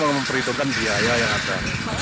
memperhitungkan biaya yang ada